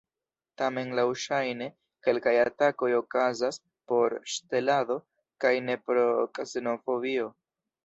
Tamen laŭŝajne kelkaj atakoj okazas por ŝtelado kaj ne pro ksenofobio.